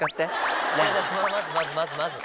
まずまず。